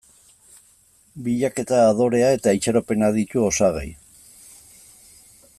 Bilaketa, adorea eta itxaropena ditu osagai.